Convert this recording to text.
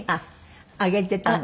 あげてたの？